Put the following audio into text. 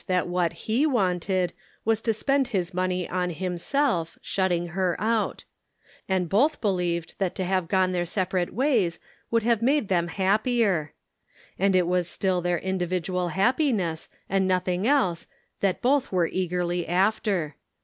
that what he wanted was to spend his money on himself, shutting her out ; and both be lieved that to have gone their separate wa}rs would have made them happier ! And it was still their individual happiness, and noth ing else, that both were eagerly after.